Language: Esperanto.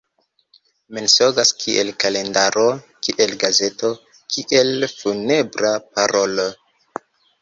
Mensogas kiel kalendaro; kiel gazeto; kiel funebra parolo.